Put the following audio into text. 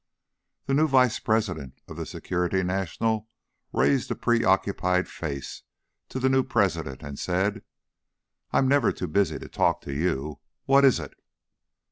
The new vice president of the Security National raised a preoccupied face to the new president and said: "I'm never too busy to talk to you. What is it?"